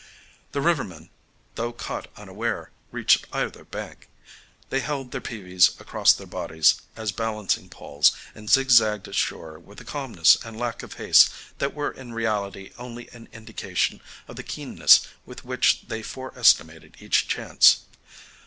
The rivermen, though caught unaware, reached either bank. They held their peavies across their bodies as balancing poles, and zig zagged ashore with a calmness and lack of haste that were in reality only an indication of the keenness with which they fore estimated each chance.